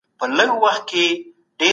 مصنوعي مه غږېږئ.